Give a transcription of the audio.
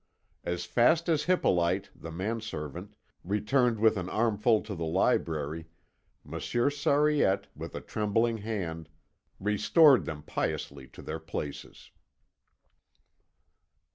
As fast as Hippolyte, the manservant, returned with an armful to the library, Monsieur Sariette, with a trembling hand, restored them piously to their places.